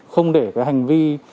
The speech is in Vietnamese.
không để cái hành vi